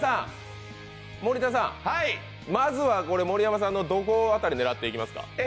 森田さん、まずは盛山さんのどこ辺りを狙っていきますか？